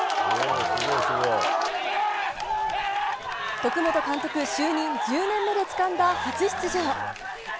徳本監督就任１０年目でつかんだ初出場。